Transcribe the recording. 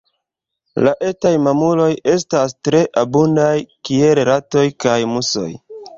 La etaj mamuloj estas tre abundaj kiel ratoj kaj musoj.